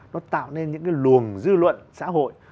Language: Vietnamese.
nó tạo nên những cái luồng dư luận xã hội